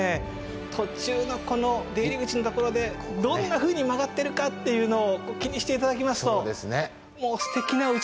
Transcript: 途中のこの出入り口の所でどんなふうに曲がってるかというのを気にして頂きますとさあ